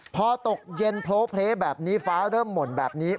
พอตกเย็นโพลเพลแบบนี้ฟ้าเริ่มหม่นแบบนี้